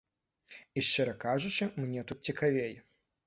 І шчыра кажучы, мне тут цікавей.